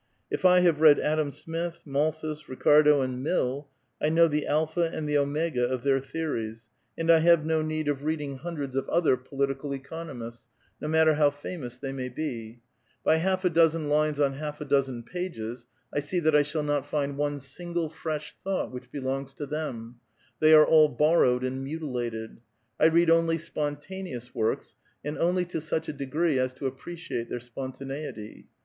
If I have read Adam Smith, Malthus, Ricardo. and Mill, I know the alpha and the omega of their theories, and I have no need of reading hundreds of A VITAL QUESTION. 281 Other political economists, no matter how famous they may l>e : by haU' a dozen lines on half a dozen pages I see that I shall not find one single fresh tbought which belongs to t;heiii ; they are all boirowed and mutilated. 1 read only :spoiitaneous works, and only to such a degree as to appre c^iate their spontaneity."